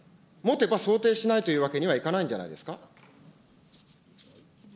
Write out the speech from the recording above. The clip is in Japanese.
持てば想定しないというわけにはいかないんじゃないですか。